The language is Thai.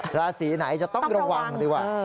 ราศีไหนจะต้องระวังดีกว่า